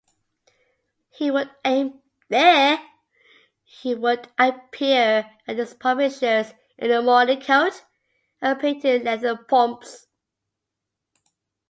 He would appear at his publisher's in a morning coat and patent leather pumps.